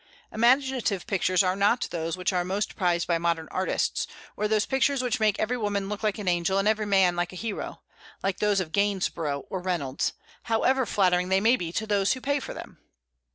Imaginative pictures are not those which are most prized by modern artists, or those pictures which make every woman look like an angel and every man like a hero, like those of Gainsborough or Reynolds, however flattering they may be to those who pay for them.